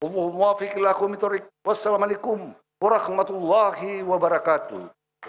wa'alaikumussalamu'alaikum warahmatullahi wabarakatuh